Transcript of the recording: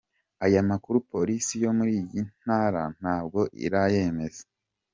Aya makuru Polisi yo muri iyi Ntara ntabwo irayameza.